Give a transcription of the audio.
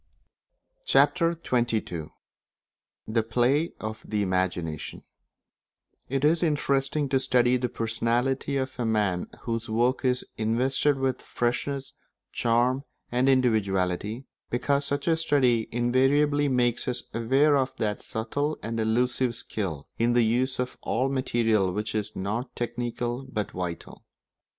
Chapter XXII The Play of the Imagination It is interesting to study the personality of a man whose work is invested with freshness, charm, and individuality, because such a study invariably makes us aware of that subtle and elusive skill in the use of all materials which is not technical but vital.